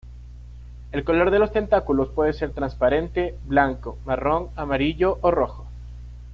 El color de los tentáculos puede ser transparente, blanco, marrón, amarillo o rojo.